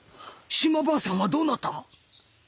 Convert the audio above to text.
島婆さんはどうなった？